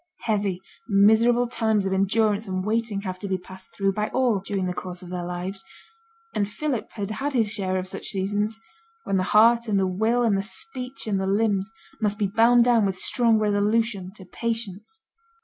Heavy miserable times of endurance and waiting have to be passed through by all during the course of their lives; and Philip had had his share of such seasons, when the heart, and the will, and the speech, and the limbs, must be bound down with strong resolution to patience.